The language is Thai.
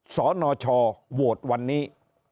สนชโหวตวันนี้